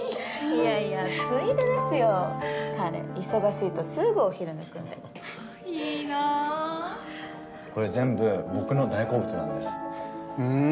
いやいやついで彼忙しいとすぐお昼抜くんでいいなあこれ全部僕の大好物なんですふーん